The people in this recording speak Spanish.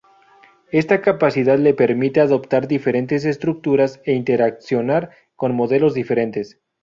Esta capacidad les permite adoptar diferentes estructuras e interaccionar con modelos diferentes.